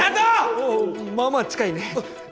おおまあまあ近いね。